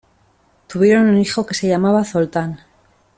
Tuvieron un hijo que se llamaba Zoltán.